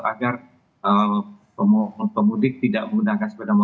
agar pemudik tidak menggunakan sepeda motor